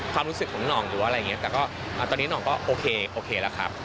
ความรู้สึกของหน่องหรือว่าอะไรอย่างนี้แต่ก็ตอนนี้ห่องก็โอเคโอเคแล้วครับ